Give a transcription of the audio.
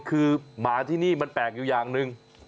คือหมาที่นี่มันแปลกอยู่อย่างหนึ่ง